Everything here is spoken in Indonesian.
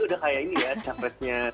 udah kayak ini ya capresnya